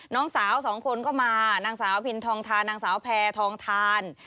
น้องสาวสองคนก็มานางสาวพินทองทานนางสาวแพทองทาน